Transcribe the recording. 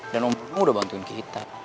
dan om udah bantuin kita